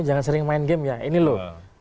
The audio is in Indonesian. jangan sering main game ya ini loh